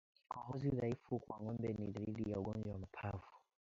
Kikohozi dhaifu kwa ngombe ni dalili ya ugonjwa wa mapafu